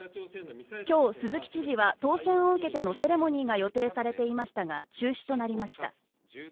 今日、鈴木知事は当選を受けてのセレモニーが予定されていましたが中止となりました。